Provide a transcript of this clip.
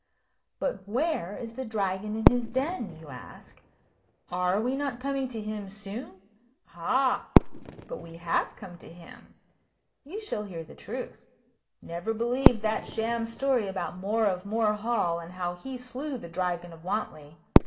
But where is the Dragon in his den? you ask. Are we not coming to him soon? Ah, but we have come to him. You shall hear the truth. Never believe that sham story about More of More Hall, and how he slew the Dragon of Wantley.